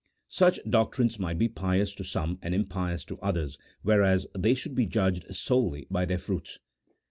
Such doctrines might be pious to some and impious to others, whereas they should be judged solely by their fruits.